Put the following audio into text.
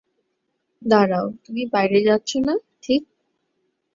দাঁড়াও, তুমি বাইরে যাচ্ছ না, ঠিক?